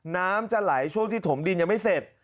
น้ำจะไหลช่วงที่ถมดินยังไม่เสร็จ